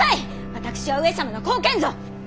私は上様の後見ぞ！